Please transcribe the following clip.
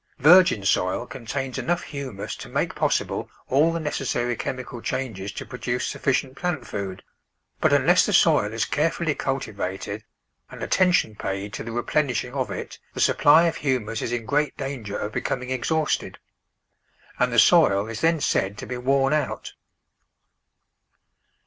Virgin soil contains enough humus to make possible all the necessary chemical changes to produce sufficient plant food, but unless the soil is carefully cultivated and atten tion paid to the replenishing of it the supply of THE VEGETABLE GARDEN humus is in great danger of becoming exhausted, and the soil is then said to be " worn out."